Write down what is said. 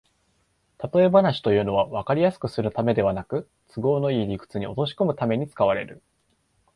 たとえ話というのは、わかりやすくするためではなく、都合のいい理屈に落としこむために使われる